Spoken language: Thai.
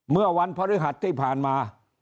เมื่อวันพฤหัสที่ผ่านมา